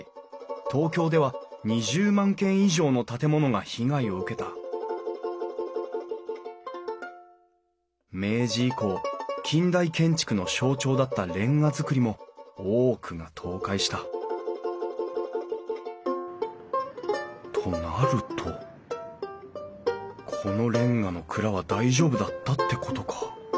東京では２０万軒以上の建物が被害を受けた明治以降近代建築の象徴だった煉瓦造りも多くが倒壊したとなるとこのれんがの蔵は大丈夫だったってことか。